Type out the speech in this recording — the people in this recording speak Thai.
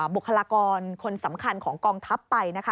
บุคลากรคนสำคัญของกองทัพไปนะคะ